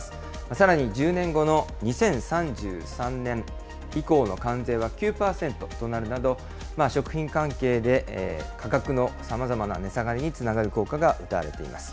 さらに１０年後の２０３３年以降の関税は９％となるなど、食品関係で価格のさまざまな値下がりにつながる効果がうたわれています。